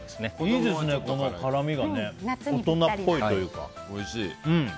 いいですね、この辛みがね。大人っぽいというか。